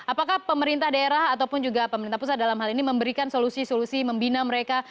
apakah pemerintah daerah ataupun juga pemerintah pusat dalam hal ini memberikan solusi solusi membina mereka